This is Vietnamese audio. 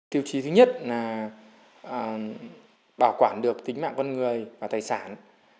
tiêu chí thứ nhất là bảo quản được tính mạng con người và tài sản